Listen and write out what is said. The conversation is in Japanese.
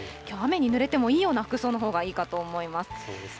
きょう、雨にぬれてもいいような服装のほうがいいかと思います。